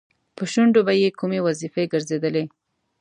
په شونډو به یې کومې وظیفې ګرځېدلې؟